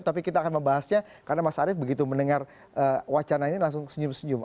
tapi kita akan membahasnya karena mas arief begitu mendengar wacana ini langsung senyum senyum